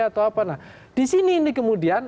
atau apa nah di sini ini kemudian